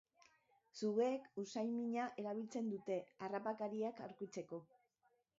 Sugeek usaimena erabiltzen dute harrapakariak aurkitzeko.